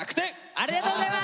ありがとうございます！